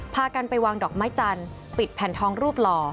พากันไปวางดอกไม้จันทร์ปิดแผ่นทองรูปหล่อ